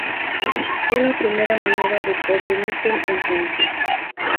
Fue la primera moneda de cobre-níquel en Francia.